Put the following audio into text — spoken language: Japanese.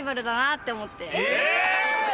え！